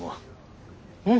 うん。